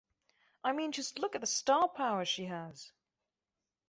I mean just look at the star power she has.